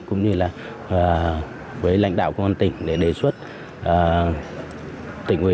cũng như là với lãnh đạo công an tỉnh để đề xuất tỉnh ủy